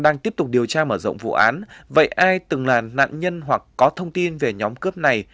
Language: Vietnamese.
để điều tra mở rộng vụ án vậy ai từng là nạn nhân hoặc có thông tin về nhóm cướp này